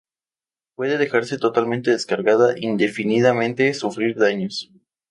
Puede dejarse totalmente descargada indefinidamente sufrir sin daños.